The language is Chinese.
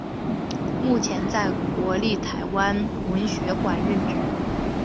目前在国立台湾文学馆任职。